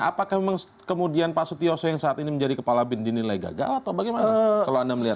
apakah memang kemudian pak sutiyoso yang saat ini menjadi kepala bin dinilai gagal atau bagaimana